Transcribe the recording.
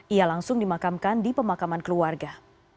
ia langsung dimakamkan di pemakaman keluarga